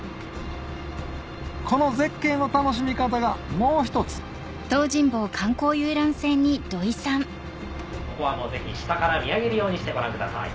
この絶景の楽しみ方がもう一つここはもうぜひ下から見上げるようにしてご覧ください。